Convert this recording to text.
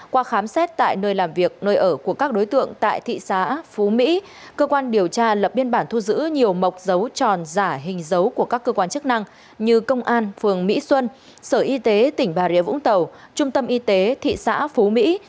qua khám xét tại nơi làm việc nơi ở của các đối tượng tại thị xã phú mỹ cơ quan điều tra lập biên bản thu giữ nhiều mộc dấu tròn giả hình dấu của các cơ quan chức năng như công an phường mỹ xuân sở y tế tỉnh bà rịa vũng tàu trung tâm y tế thị xã phú mỹ